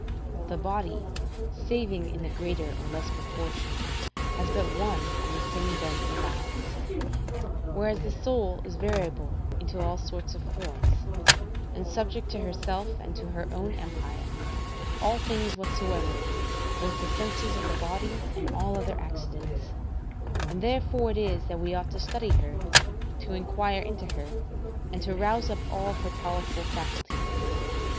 The body, saving in the greater or less proportion, has but one and the same bent and bias; whereas the soul is variable into all sorts of forms; and subject to herself and to her own empire, all things whatsoever, both the senses of the body and all other accidents: and therefore it is that we ought to study her, to inquire into her, and to rouse up all her powerful faculties.